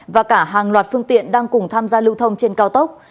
và cả hàng loạt phương tiện đang cùng tham gia lưu thông trên cao tốc